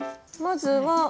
まずは。